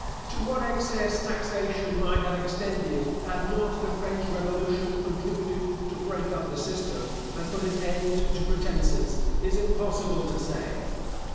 To what excess taxation might have extended had not the French revolution contributed to break up the system, and put an end to pretences, is impossible to say.